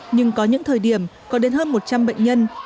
nhưng có những thời điểm có đến hơn một trăm linh bệnh nhân